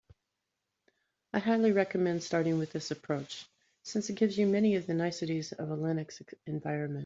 I highly recommend starting with this approach, since it gives you many of the niceties of a Linux environment.